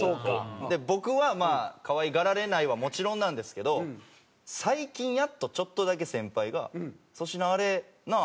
僕はまあ可愛がられないはもちろんなんですけど最近やっとちょっとだけ先輩が「粗品あれなあ？